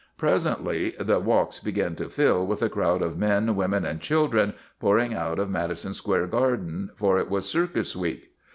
Presently the walks began to fill with a crowd of men, women, and children, pouring out of Madison Square Garden, for it was circus week.